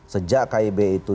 sejak kib itu